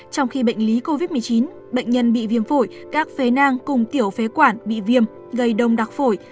trong khi bệnh lý covid một mươi chín bệnh nhân bị viêm phổi các phế nang cùng tiểu phế quản bị viêm gây đông đặc phổi